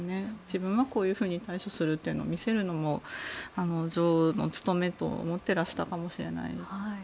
自分はこういうふうに対処するというのを見せるのも女王の務めと思ってらしたかもしれない。